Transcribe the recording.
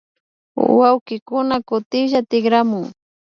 Wawkikuna kutinlla tikramun